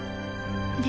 で